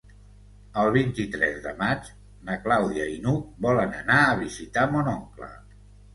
El vint-i-tres de maig na Clàudia i n'Hug volen anar a visitar mon oncle.